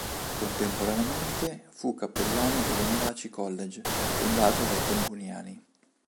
Contemporaneamente, fu cappellano dell'Ombaci College, fondato dai comboniani.